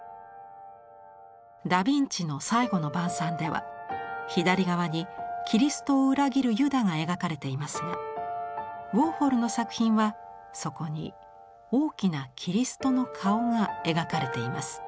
ダ・ヴィンチの「最後の晩餐」では左側にキリストを裏切るユダが描かれていますがウォーホルの作品はそこに大きなキリストの顔が描かれています。